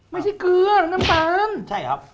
ไม่ใช่เกลือน้ำน้ำตาล